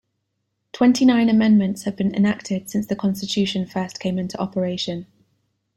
Twenty-nine amendments have been enacted since the Constitution first came into operation.